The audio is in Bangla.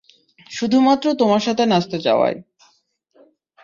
শুধুমাত্র তোমার সাথে নাচতে চাওয়ায়।